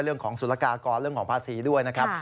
เรื่องของสุรกากรเรื่องของภาษีด้วยนะครับ